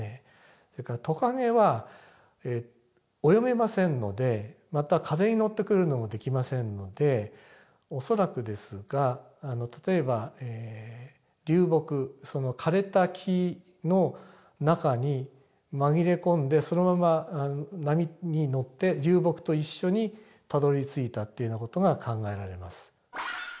それからトカゲは泳げませんのでまた風に乗ってくるのもできませんので恐らくですが例えば流木枯れた木の中に紛れ込んでそのまま波に乗って流木と一緒にたどりついたっていうような事が考えられます。